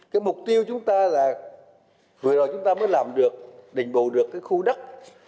cái mục tiêu chúng ta là vừa rồi chúng ta mới làm được đình bộ được cái khu đất